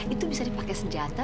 itu bisa dipakai senjata